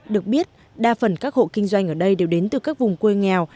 được biết đa phần các hộ kinh doanh ở đây đều đến từ các vùng quê nghèo